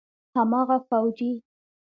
هماغه فوجي.